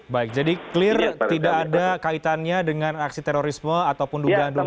baik jadi clear tidak ada kaitannya dengan aksi terorisme ataupun dugaan dugaan